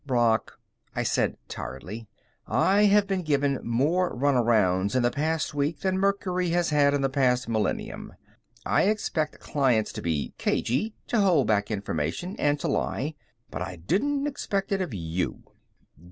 "Brock," I said tiredly, "I have been given more runarounds in the past week than Mercury has had in the past millennium. I expect clients to be cagey, to hold back information, and to lie. But I didn't expect it of you.